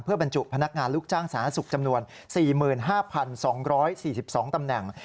บรรจุพนักงานลูกจ้างสาธารณสุขจำนวน๔๕๒๔๒ตำแหน่ง